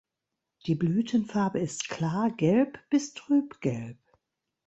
Die Blütenfarbe ist klar gelb bis trüb gelb.